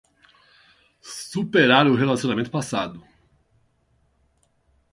Superar o relacionamento passado